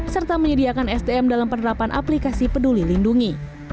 serta menyediakan sdm dalam penerapan aplikasi peduli lindungi